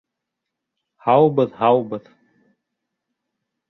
Һаубыҙ, һаубыҙ!